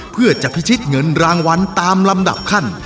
เพื่อจะพิชิตเงินรางวัลตามลำดับขั้น